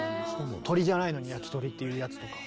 鶏じゃないのにやきとりっていうやつとか。